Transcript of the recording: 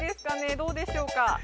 どうでしょうか？